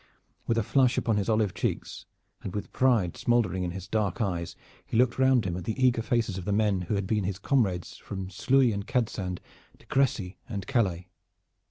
With a flush upon his olive cheeks and with pride smoldering in his dark eyes, he looked round him at the eager faces of the men who had been his comrades from Sluys and Cadsand to Crecy and Calais.